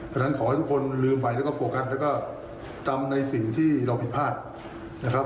เพราะฉะนั้นขอให้ทุกคนลืมไปแล้วก็โฟกัสแล้วก็ทำในสิ่งที่เราผิดพลาดนะครับ